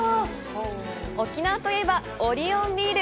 沖縄といえばオリオンビール！